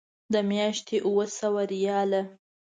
د میاشتې اوه سوه ریاله.